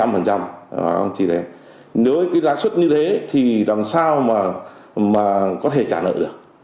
hàng trăm hàng trăm vài lãi suất như thế thì làm sao mà có thể trả nợ được